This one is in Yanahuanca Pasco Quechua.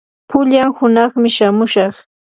pullan hunaqmi shamushaq.